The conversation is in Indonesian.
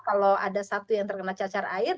kalau ada satu yang terkena cacar air